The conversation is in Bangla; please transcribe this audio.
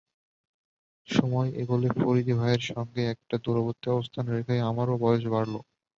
সময় এগোলে ফরীদি ভাইয়ের সঙ্গে একটা দূরবর্তী অবস্থান রেখেই আমারও বয়স বাড়ল।